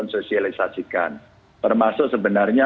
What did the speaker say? sosialisasikan termasuk sebenarnya